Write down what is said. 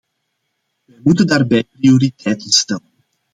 We moeten daarbij prioriteiten stellen.